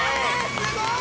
すごい！